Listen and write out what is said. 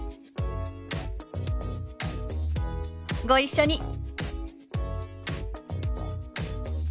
ご一緒に。